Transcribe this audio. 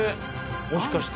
もしかして。